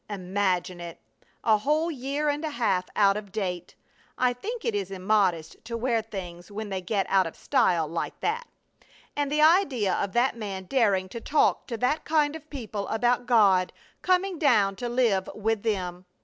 Imagine it! A whole year and a half out of date! I think it is immodest to wear things when they get out of style like that! And the idea of that man daring to talk to that kind of people about God coming down to live with them!